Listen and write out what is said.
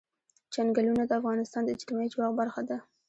چنګلونه د افغانستان د اجتماعي جوړښت برخه ده.